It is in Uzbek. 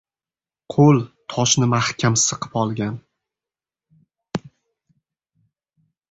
Qo‘l toshni mahkam siqib olgan.